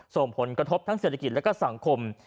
ส่งผลกระทบทั้งเศรษฐกิจและก็สังคม